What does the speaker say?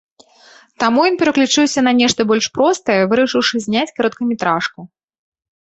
Таму ён пераключыўся на нешта больш простае, вырашыўшы зняць кароткаметражку.